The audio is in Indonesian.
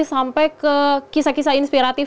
sampai ke kisah kisah inspiratif